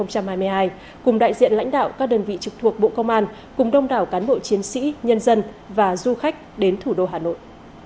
cùng đại diện lãnh đạo các đơn vị trực thuộc bộ công an cùng đông đảo cán bộ chiến sĩ nhân dân và du khách đến thủ đô hà nội